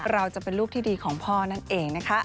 เราจะเป็นลูกที่ดีของพ่อนั่นเองนะคะ